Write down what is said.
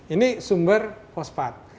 ini sumber pospat